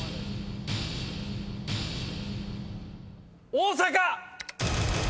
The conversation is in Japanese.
大阪！